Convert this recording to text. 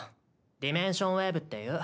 「ディメンションウェーブ」っていう。